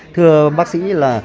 thưa bác sĩ